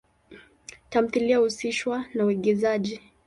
Tamthilia huhusishwa na uigizaji.